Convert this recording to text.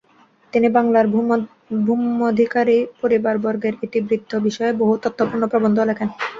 তিনি বাংলার ভূম্যধিকারী পরিবারবর্গের ইতিবৃত্ত বিষয়ে বহু তথ্যপূর্ণ প্রবন্ধও লেখেন।